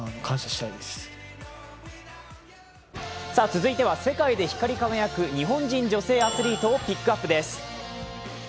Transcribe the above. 続いては世界で光り輝く日本人女性アスリートをピックアップです。